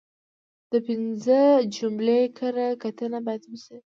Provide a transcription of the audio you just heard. د پنځه جملې کره کتنه باید وشي.